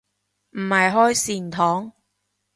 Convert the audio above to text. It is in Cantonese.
唔係開善堂